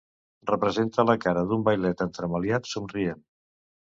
Representa la cara d'un vailet entremaliat somrient.